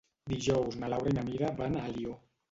Dijous na Laura i na Mira van a Alió.